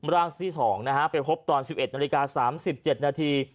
ร่างที่๒นะฮะไปพบตอน๑๑นาฬิกา๓๗นาที